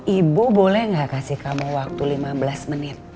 ibu boleh nggak kasih kamu waktu lima belas menit